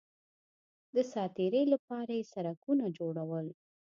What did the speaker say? د ساتېرۍ لپاره یې سرکسونه جوړول